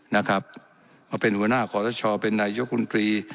นะครับมาเป็นหัวหน้าขอทชอเป็นนายกคุณตรี